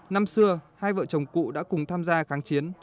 năm xưa hai vợ chồng cụ đã cùng tham gia kháng chiến